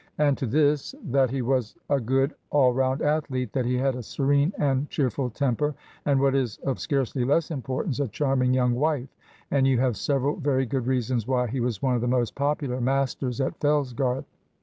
Add to this, that he was a good all round athlete, that he had a serene and cheerful temper, and, what is of scarcely less importance, a charming young wife, and you have several very good reasons why he was one of the most popular masters at Fellsgarth.